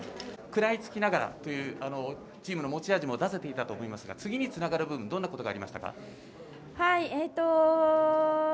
食らいつきながらというチームの持ち味も出せていたと思いますが次につながる部分どんなところがありましたか？